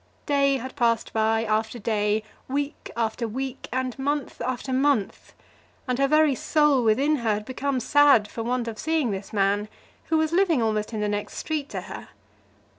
Day had passed by after day, week after week, and month after month, and her very soul within her had become sad for want of seeing this man, who was living almost in the next street to her.